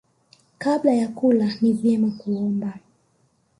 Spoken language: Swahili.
Kabla ya kula ni vyema kuomba.